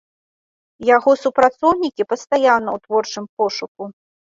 Яго супрацоўнікі пастаянна ў творчым пошуку.